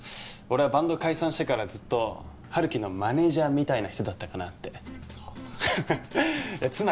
俺はバンド解散してからずっと春樹のマネージャーみたいな人だったかなってはっ？